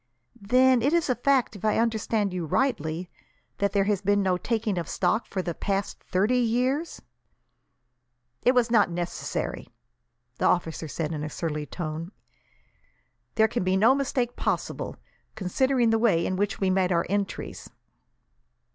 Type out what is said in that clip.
"Then it is a fact, if I understand you rightly, that there has been no taking of stock for the past thirty years?" "It was not necessary," the officer said, in a surly tone. "There can be no mistake possible, considering the way in which we made our entries."